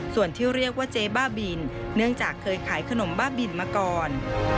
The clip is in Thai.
ส่วนที่เรียกว่าเจ๊บ้าบินเนื่องจากเคยขายขนมบ้าบินมาก่อน